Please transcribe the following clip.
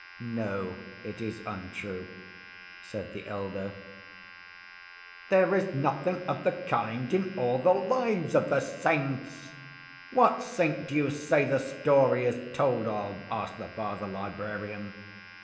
"No, it is untrue," said the elder. "There is nothing of the kind in all the lives of the saints. What saint do you say the story is told of?" asked the Father Librarian.